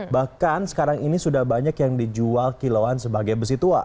bahkan sekarang ini sudah banyak yang dijual kiloan sebagai besi tua